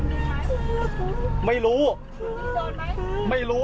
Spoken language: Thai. เอาไม่รู้ไม่รู้